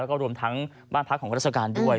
แล้วก็รวมทั้งบ้านพักของราชการด้วย